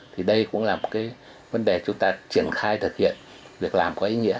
thì đây cũng là một cái vấn đề chúng ta triển khai thực hiện việc làm có ý nghĩa